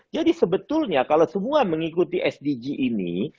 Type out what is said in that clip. jadi sebetulnya kalau semua mengikuti sdg ini